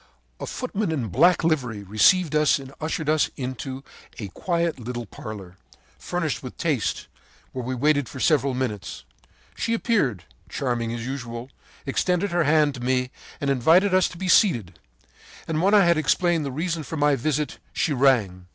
“A footman in black livery received us and ushered us into a quiet little parlor, furnished with taste, where we waited for several minutes. She appeared, charming as usual, extended her hand to me and invited us to be seated; and when I had explained the reason of my visit, she rang.